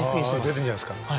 出てるじゃないですか